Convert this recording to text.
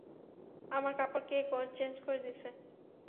আমার কাপড় কে চেঞ্জ করে দিসে?